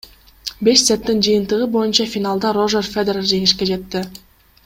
Беш сеттин жыйынтыгы боюнча финалда Рожер Федерер жеңишке жетти.